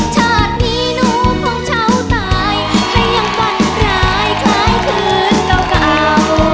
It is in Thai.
ชาตินี้หนูคงเช้าตายใครยังฝันหลายคลายขึ้นเราก็เอา